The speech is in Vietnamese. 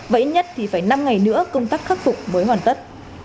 và ít nhất thì phải năm ngày nữa công tác khắc phục mới hoàn tất